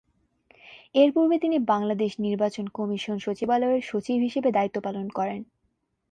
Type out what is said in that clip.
এরপূর্বে তিনি বাংলাদেশ নির্বাচন কমিশন সচিবালয়ের সচিব হিসেবে দায়িত্ব পালন করেন।